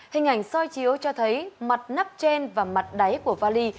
hình ảnh soi chiếu cho thấy mặt nắp trên và mặt đáy của vali